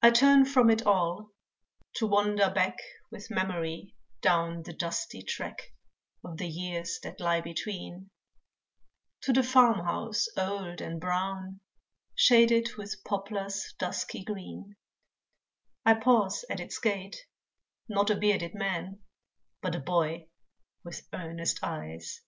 I turn from it all to wander back With Memory down the dusty track Of the years that lie between, To the farm house old and brown, Shaded with poplars dusky green, I pause at its gate, not a bearded man, But a boy with earnest eyes.